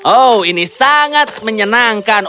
oh ini sangat menyenangkan